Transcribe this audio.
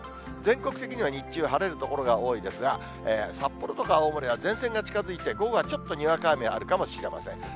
全国的には日中、晴れる所が多いですが、札幌とか青森は前線が近づいて、午後はちょっとにわか雨あるかもしれません。